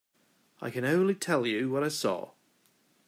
I can only tell you what I saw.